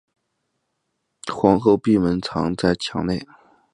皇后闭门藏在墙内。